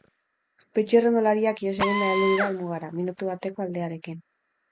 Bi txirrindulariak ihes eginda heldu dira helmugara, minutu bateko aldearekin.